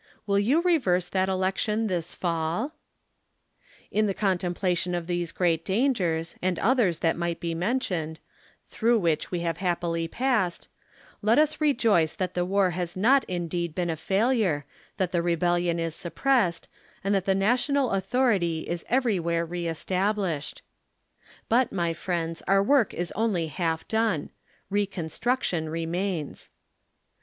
Will you reverse that election this fall ? In the contemplation of these great dangers, and others that might be mentioned, through which we have happily passed, let us rejoice that the war has not indeed been a failure, that the rebellion is suppressed, 9 and that the national authority is every where re estab lished. But, my friends, our work is only half done ; reconstruc tion remains.